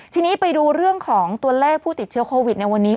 ทีนี้ไปดูเรื่องของตัวเลขผู้ติดเชื้อโควิดในวันนี้